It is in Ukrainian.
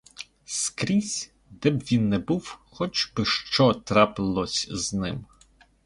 Скрізь, де б він не був, хоч би що трапилося з ним!